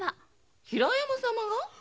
「平山様」が？